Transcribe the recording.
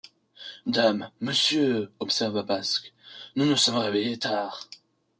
Dame, monsieur, observa Basque, nous nous sommes réveillés tard.